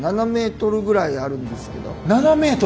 ７ｍ！